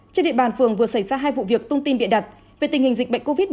trên địa bàn phường vừa xảy ra hai vụ việc tung tin bịa đặt về tình hình dịch bệnh covid một mươi chín